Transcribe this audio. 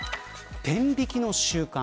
天引きの習慣。